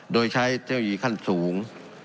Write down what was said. โดยใช้เจ้าหญิงขั้นสูง